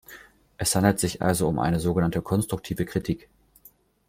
Es handelt sich also um eine so genannte konstruktive Kritik.